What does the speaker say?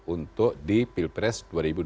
untuk di pilpres dua ribu dua puluh